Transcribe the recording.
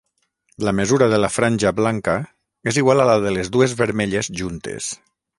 La mesura de la franja blanca és igual al de les dues vermelles juntes.